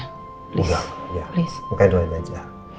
please udah ya makanya doain aja